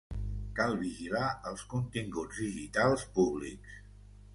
Cal vigilar els continguts digitals públics.